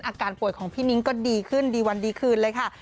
อาการป่วยของพี่นิ้งก็ดีขึ้นดีวันดีคืนเลยค่ะ